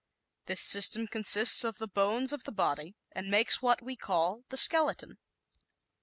This system consists of the bones of the body and makes what we call the skeleton.